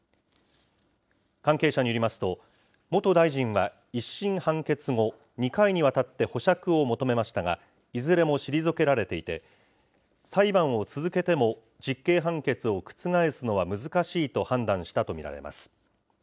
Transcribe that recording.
関係者によりますと、元大臣は１審判決後、２回にわたって保釈を求めましたが、いずれも退けられていて、裁判を続けても実刑判決を覆すのは難しいと判断したと見られます。